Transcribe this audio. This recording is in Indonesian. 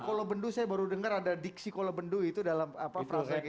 kolobendu saya baru dengar ada diksi kolobendu itu dalam proses ini